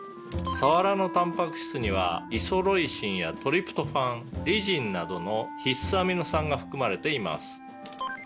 「サワラのたんぱく質にはイソロイシンやトリプトファンリジンなどの必須アミノ酸が含まれています」